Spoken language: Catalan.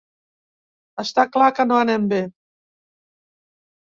Està clar que no anem bé.